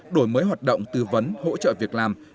đổi mới hoạt động tư vấn hỗ trợ việc làm